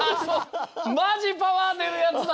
まじパワーでるやつだ！